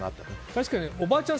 確かにおばあちゃん